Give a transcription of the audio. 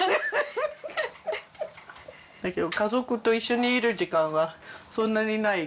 だけど家族と一緒にいる時間はそんなにない。